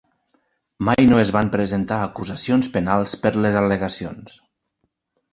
Mai no es van presentar acusacions penals per les al·legacions.